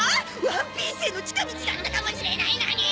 ワンピースへの近道だったかもしれないのに！